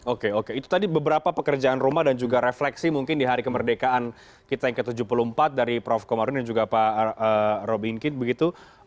oke oke itu tadi beberapa pekerjaan rumah dan juga refleksi mungkin di hari kemerdekaan kita yang ke tujuh puluh empat dari prof komarudin dan juga pak robin kit begitu